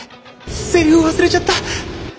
セリフ忘れちゃった。